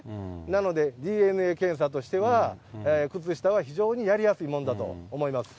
なので、ＤＮＡ検査としては、靴下は非常にやりやすいものだと思います。